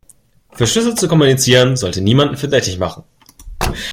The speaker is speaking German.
Verschlüsselt zu kommunizieren sollte niemanden verdächtig machen.